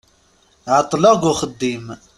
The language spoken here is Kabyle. Ɛeṭṭleɣ g uxeddim.